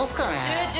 集中！